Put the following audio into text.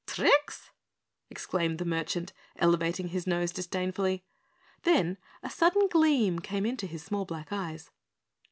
"Tricks?" exclaimed the merchant, elevating his nose disdainfully. Then a sudden gleam came into his small black eyes.